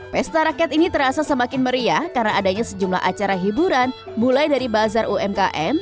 pesta rakyat ini terasa semakin meriah karena adanya sejumlah acara hiburan mulai dari bazar umkm